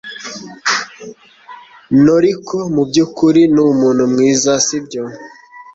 Noriko mubyukuri numuntu mwiza, sibyo?